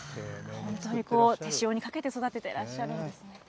本当に手塩にかけて育ててらっしゃるんですね。